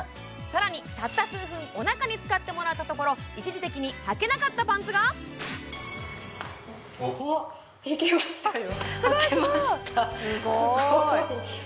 更にたった数分おなかに使ってもらったところ一時的に履けなかったパンツがあっいけましたよえー！